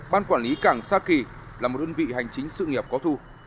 ban quản lý cảng sa kỳ là một đơn vị hành chính sự nghiệp có thu